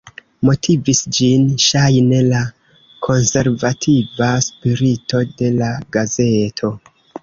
Motivis ĝin ŝajne la konservativa spirito de la gazeto.